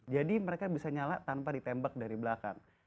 jadi mereka bisa nyala tanpa ditembak dari belakang